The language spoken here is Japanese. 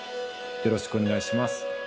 よろしくお願いします。